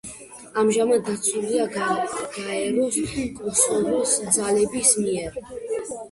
ამჟამად დაცულია გაეროს კოსოვოს ძალების მიერ.